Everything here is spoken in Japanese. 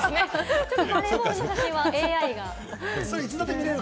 バレーボールの写真はＡＩが。